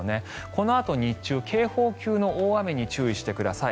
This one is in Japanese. このあと日中、警報級の大雨に注意してください。